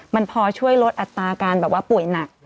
มันพอช่วยลดอัตราการแบบว่าป่วยหนัก